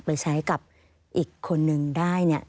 ไปใช้กับอีกคนนึงได้เนี่ย